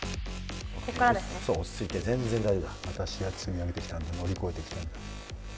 ここからですねそう落ち着いて全然大丈夫だ私が積み上げてきたんだ乗り越えてきたんだ